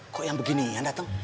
kok yang begini yang datang